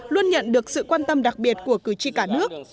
luôn nhận được sự quan tâm đặc biệt của cử tri cả nước